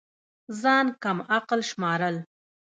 ځان كم عقل شمارل